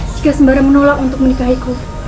jika sembarang menolak untuk menikahiku